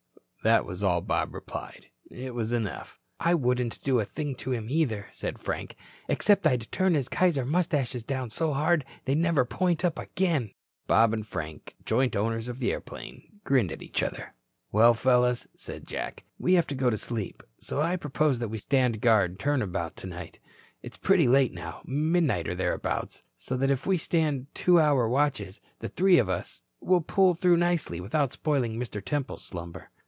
"Huh." That was all Bob replied. It was enough. "I wouldn't do a thing to him, either," said Frank. "Except I'd turn his Kaiser mustaches down so hard they'd never point up again." Bob and Frank, joint owners of the airplane, grinned at each other. "Well, fellows," said Jack, "We have got to sleep. So I propose that we stand guard turn about tonight. It's pretty late now, midnight or thereabouts, so that if we stand two hour watches, the three of us, we'll pull through nicely without spoiling Mr. Temple's slumber."